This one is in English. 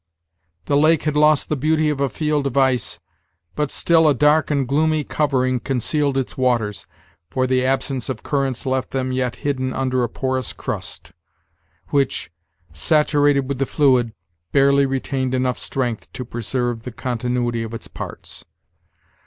The lake had lost the beauty of a field of ice, but still a dark and gloomy covering concealed its waters, for the absence of currents left them yet hidden under a porous crust, which, saturated with the fluid, barely retained enough strength to preserve the continuity of its parts.